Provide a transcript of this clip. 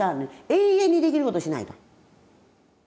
永遠にできることしないと。